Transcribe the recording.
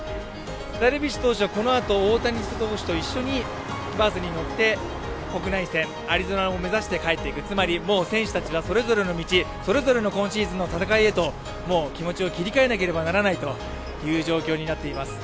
ダルビッシュ投手はこのあと大谷選手と一緒にバスに乗って国内線、アリゾナを目指して帰っていく、つまり、選手たちはもう、それぞれの道それぞれの今シーズンの戦いへともう気持ちを切り替えなければならないという状況になっています。